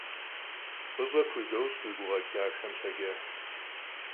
ФӀыщӀэ пхузощӀ уи гукъэкӀ дахэм щхьэкӀэ.